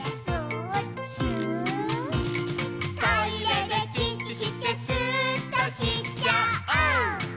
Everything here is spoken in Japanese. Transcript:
「トイレでチッチしてスーっとしちゃお！」